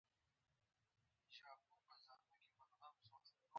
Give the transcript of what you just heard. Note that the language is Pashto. بیچاره ګان ګرم نه وو.